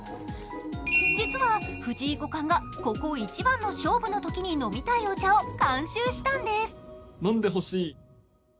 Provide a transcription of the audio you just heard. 実は藤井五冠がここ一番の勝負のときに飲みたいお茶を監修したんです。